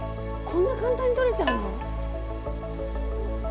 こんな簡単にとれちゃうの？